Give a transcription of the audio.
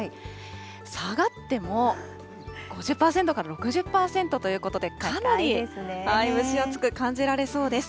下がっても５０％から６０％ということで、かなり蒸し暑く感じられそうです。